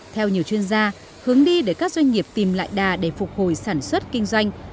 theo nhiều chuyên gia hướng đi để các doanh nghiệp tìm lại đà để phục hồi sản xuất kinh doanh